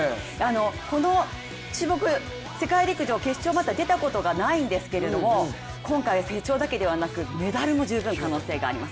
この種目、世界陸上決勝まだ出たことがないんですけれども今回、成長だけではなくメダルも十分可能性があります。